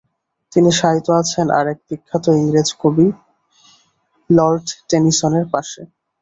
তিনি শায়িত আছেন আর এক বিখ্যাত ইংরেজ কবি লর্ড টেনিসনের পাশে।